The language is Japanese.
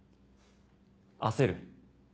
焦る？